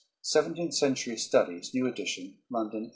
"Seventeenth Century Studies" (new edition), London, 1895.